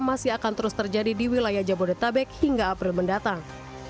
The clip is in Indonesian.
masih akan terus terjadi di wilayah jabodetabek hingga april mendatang